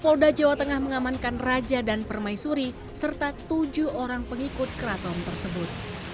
polda jawa tengah mengamankan raja dan permaisuri serta tujuh orang pengikut keraton tersebut